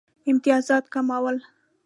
امتیازات کمول.